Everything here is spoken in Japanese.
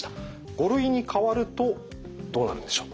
５類に変わるとどうなるんでしょう？